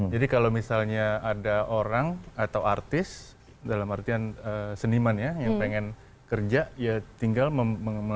jadi kalau misalnya ada orang atau artis dalam artian seniman ya yang pengen kerja ya tinggal menaikkan skillnya